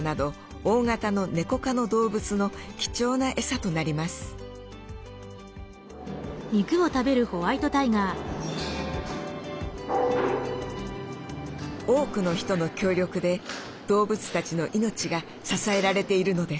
多くの人の協力で動物たちの命が支えられているのです。